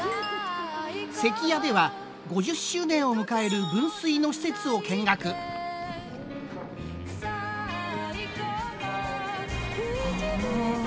関屋では５０周年を迎える分水の施設を見学。はあ。